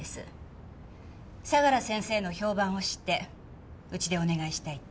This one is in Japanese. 相良先生の評判を知ってうちでお願いしたいって。